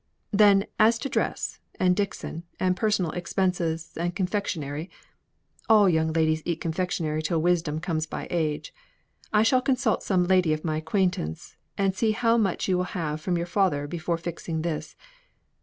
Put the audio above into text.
Then as to dress, and Dixon, and personal expenses, and confectionery (all young ladies eat confectionery till wisdom comes by age), I shall consult some lady of my acquaintance, and see how much you will have from your father before fixing this.